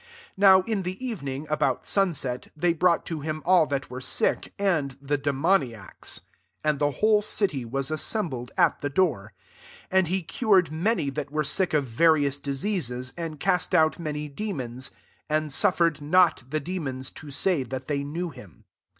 32 Now in the evening, abQut sunset, they brought to him^all that were sick, and the demo« niacs. 33 And the whole city was assembled at the door. 34 Ajid he cured many that were sick of various diseases, and cast out many demons : and suffer* ed not the demons to say that they knew him.